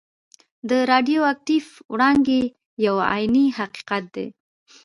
د راډیو اکټیف وړانګې یو عیني حقیقت دی.